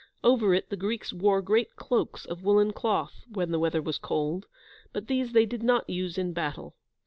Over it the Greeks wore great cloaks of woollen cloth when the weather was cold, but these they did not use in battle.